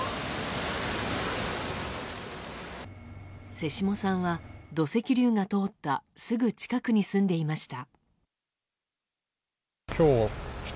瀬下さんは土石流が通ったすぐ近くに住んでいました。